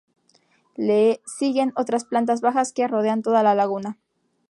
Le siguen otras plantas bajas que rodean toda la laguna.